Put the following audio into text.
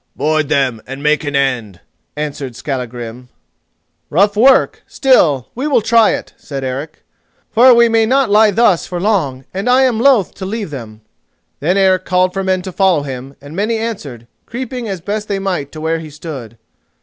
"Board them and make an end," answered Skallagrim. "Rough work; still, we will try it," said Eric, "for we may not lie thus for long, and I am loath to leave them." Then Eric called for men to follow him, and many answered, creeping as best they might to where he stood.